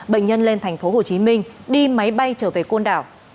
bệnh nhân lên thành phố hồ chí minh đi máy bay trở về côn đảo